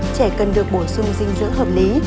trẻ cần được bổ sung dinh dưỡng hợp lý